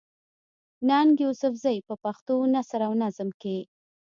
ننګ يوسفزۍ په پښتو نثر او نظم کښې